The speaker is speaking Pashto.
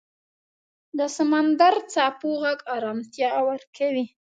د سمندر څپو غږ آرامتیا ورکوي.